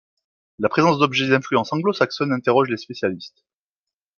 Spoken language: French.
La présence d'objets d'influence anglo-saxonne interroge les spécialistes.